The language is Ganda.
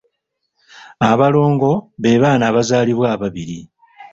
Abalongo be baana abazaalibwa ababiri.